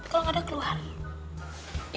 kalau gak ada keluarin